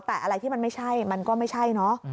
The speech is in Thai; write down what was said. แต่อะไรที่มันไม่ใช่มันก็ไม่ใช่เนอะ